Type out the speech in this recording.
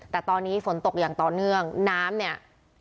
แต่ตอนนี้ฝนตกอย่างต่อเนื่องน้ำเนี่ย